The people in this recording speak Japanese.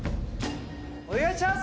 お願いします！